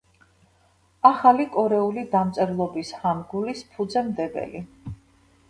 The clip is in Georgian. ახალი კორეული დამწერლობის ჰანგულის ფუძემდებელი.